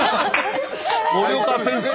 森岡先生